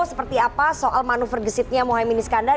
seperti apa soal manuver gesitnya mohamad miniskandar